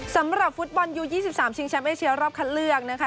สำหรับฟุตบอลยู๒๓ชิงแชมป์เอเชียรอบคัดเลือกนะคะ